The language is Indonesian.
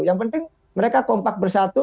yang penting mereka kompak bersatu